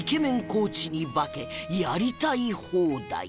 コーチに化けやりたい放題